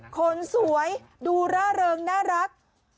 คนสวยดูร่าเริงน่ารัก